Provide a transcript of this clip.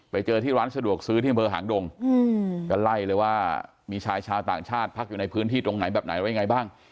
ไปเจอที่ร้านสะดวกซื้อที่อำเภอหางดงก็ไล่เลยว่ามีชายชาวต่างชาติพักอยู่ในพื้นที่ตรงไหนแบบไหนแล้วยังไงบ้าง